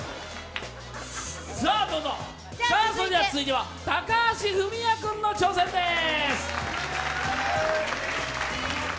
さあそれでは続いては高橋文哉君の挑戦です。